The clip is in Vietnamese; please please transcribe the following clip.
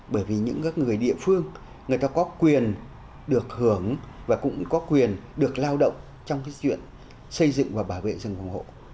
bởi vì những người địa phương người ta có quyền được hưởng và cũng có quyền được lao động trong cái chuyện xây dựng và bảo vệ rừng phòng hộ